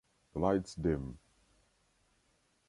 The lights dim.